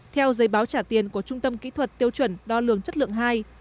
theo giấy báo trả tiền của trung tâm kỹ thuật tiêu chuẩn đo lường chất lượng hai